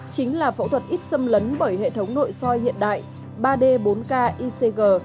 chính là phẫu thuật ít xâm lấn bởi hệ thống nội soi hiện đại ba d bốn k icg